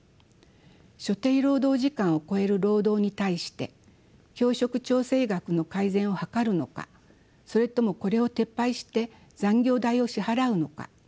所定労働時間を超える労働に対して教職調整額の改善を図るのかそれともこれを撤廃して残業代を支払うのか。